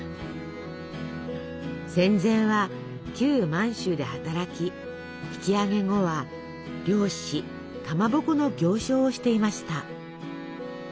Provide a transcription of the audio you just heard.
戦前は旧満州で働き引き揚げ後は漁師かまぼこの行商をしていました。